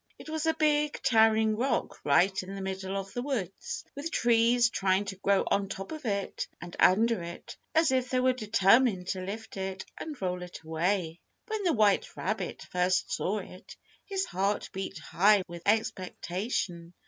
It was a big, towering rock right in the middle of the woods, with trees trying to grow on top of it, and under it, as if they were determined to lift it and roll it away. When the white rabbit first saw it his heart beat high with expectation.